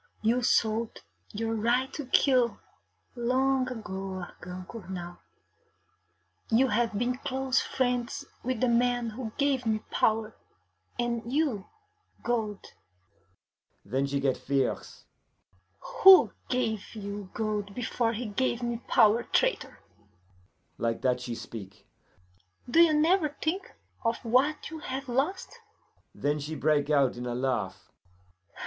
You sold your right to kill long ago, Argand Cournal. You have been close friends with the man who gave me power, and you gold.' Then she get fierce. 'Who gave you gold before he gave me power, traitor?' Like that she speak. 'Do you never think of what you have lost?' Then she break out in a laugh.